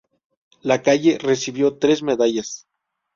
Lacalle recibió tres medallas.